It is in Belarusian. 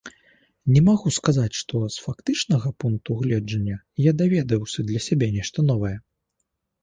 Не магу сказаць, што з фактычнага пункту гледжання я даведаўся для сябе нешта новае.